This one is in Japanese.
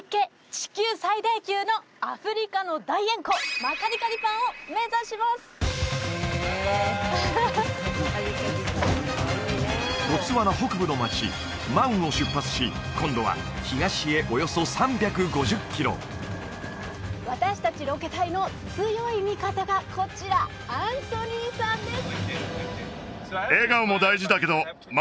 地球最大級のアフリカの大塩湖マカディカディ・パンを目指しますボツワナ北部の町マウンを出発し今度は東へおよそ３５０キロ私達ロケ隊の強い味方がこちらアンソニーさんです